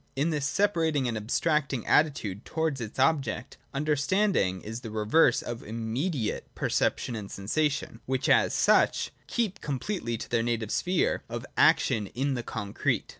In this separating and abstracting attitude towards its objects, Understanding is the reverse of immediate perception and sensation, which, as such, keep completely to their native sphere of action in the concrete.